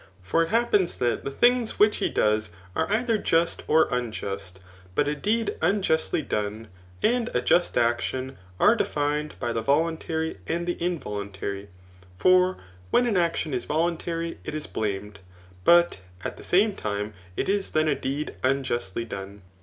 For it happens that &e things which he does are either just or imjust j but a deed unjustly dofte, and a just action, are defined by the voluntary and the involuntary j for when an action is voltmtary, it is blamed j but at the same time it is tken a dee4 Uiiju^y done.